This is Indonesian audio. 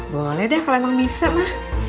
boleh deh kalau emang bisa mah